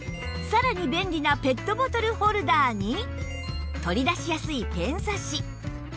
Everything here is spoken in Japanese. さらに便利なペットボトルホルダーに取り出しやすいペン挿し